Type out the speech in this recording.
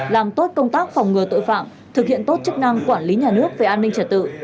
làm tốt công tác phòng ngừa tội phạm thực hiện tốt chức năng quản lý nhà nước về an ninh trật tự